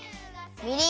みりん。